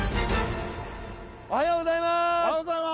おはようございます！